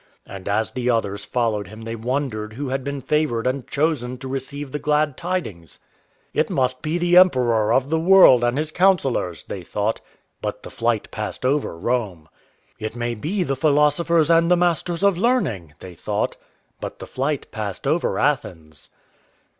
And as the others followed him they wondered who had been favoured and chosen to receive the glad tidings. "It must be the Emperor of the World and his counsellors," they thought. But the flight passed over Rome. "It may be the philosophers and the masters of learning," they thought. But the flight passed over Athens.